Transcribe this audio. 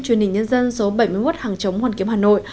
truyền hình nhân dân số bảy mươi một hàng chống hoàn kiếm hà nội